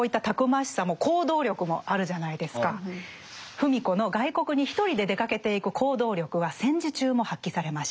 芙美子の外国に一人で出かけていく行動力は戦時中も発揮されました。